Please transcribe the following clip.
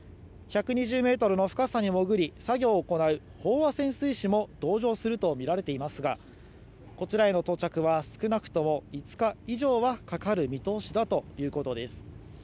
１２０ｍの深さに潜り作業を行う飽和潜水士も同乗するとみられていますがこちらへの到着は少なくとも５日以上はかかる見通しだということです。